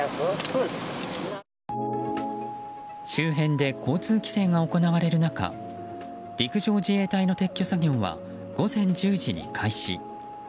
周辺で交通規制が行われる中陸上自衛隊の撤去作業は午前１０時に開始。